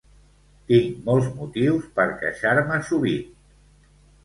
Tinc molts motius per queixar-me sovint.